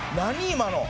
今の」